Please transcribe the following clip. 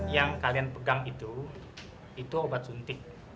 yang kalian pegang itu itu obat suntik